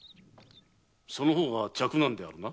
その方が嫡男であるな。